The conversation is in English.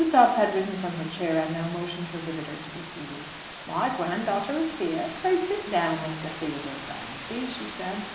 Dobbs had risen from her chair, and now motioned her visitor to be seated. "My grand daughter is here. Pray sit down, Mr. Theodore Bransby," she said.